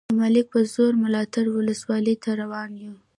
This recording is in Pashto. د ملک په زور او ملاتړ ولسوالۍ ته روان یو.